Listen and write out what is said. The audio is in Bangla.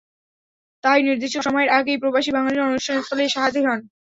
তাই নির্দিষ্ট সময়ের আগেই প্রবাসী বাঙালিরা অনুষ্ঠান স্থলে এসে হাজির হন।